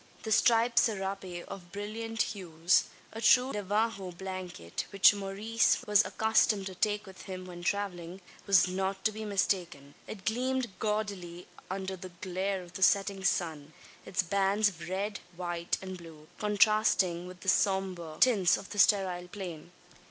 The striped serape of brilliant hues a true Navajo blanket, which Maurice was accustomed to take with him when travelling was not to be mistaken. It gleamed gaudily under the glare of the setting sun its bands of red, white, and blue, contrasting with the sombre tints of the sterile plain.